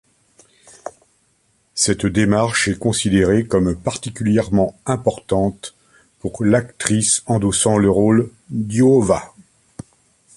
Cette démarche est considérée comme particulièrement importante pour l'actrice endossant le rôle d'Oiwa.